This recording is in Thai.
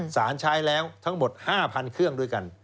สารใช้แล้วทั้งหมด๕๐๐๐เครื่องด้วยกัน